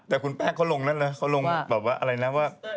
แต่คุณแป้งเขาลงแน่นแหละเขาลงแบบว่า